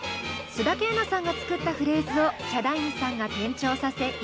須田景凪さんが作ったフレーズをヒャダインさんが転調させ１曲に。